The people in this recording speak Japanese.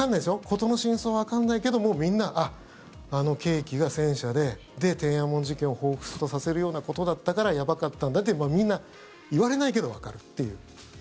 事の真相はわかんないけどもみんな、あ、あのケーキが戦車で天安門事件をほうふつとさせるようなことだったからやばかったんだってみんな、言われないけどわかるっていう。